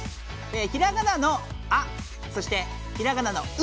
ひらがなの「あ」そしてひらがなの「う」。